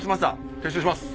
撤収します。